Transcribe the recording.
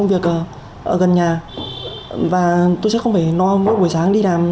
tôi sẽ có một công việc ở gần nhà và tôi sẽ không phải no mỗi buổi sáng đi làm